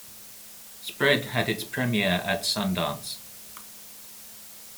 Spread had its premiere at Sundance.